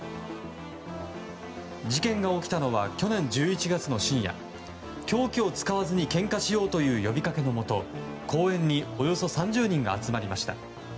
事件が起きたのは去年１１月の深夜凶器を使わずにけんかしようという呼びかけのもと公園におよそ３０人が集まりました。